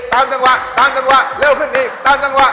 จังหวะตามจังหวะเร็วขึ้นอีกตามจังหวะ